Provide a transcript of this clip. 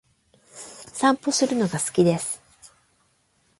散歩するのが好きです。